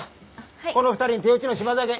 この２人に手打ちの島酒。